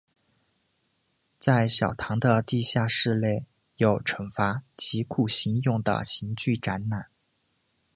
在小堂的地下室内有惩罚及酷刑用的刑具展览。